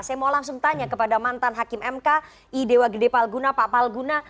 saya mau langsung tanya kepada mantan hakim mk i dewa gede pal guna pak pal guna